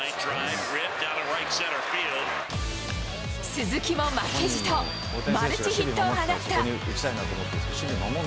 鈴木も負けじと、マルチヒットを放った。